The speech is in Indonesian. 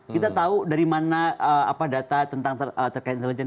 kita tahu dari mana data terkait intelijen